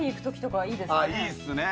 いいっすね